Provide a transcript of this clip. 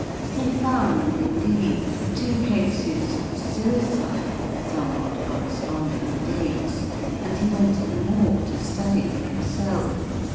He found, indeed, two cases of suicide with somewhat corresponding dates, and he went to the Morgue to study for himself.